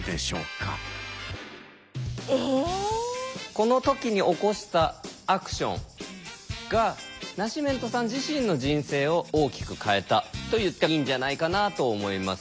この時に起こしたアクションがナシメントさん自身の人生を大きく変えたと言っていいんじゃないかなと思います。